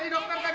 jadi dokter tadi